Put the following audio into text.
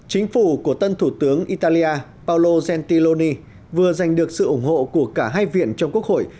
chính phủ của tân thủ tướng italia palolo gentiloni vừa giành được sự ủng hộ của cả hai viện trong quốc hội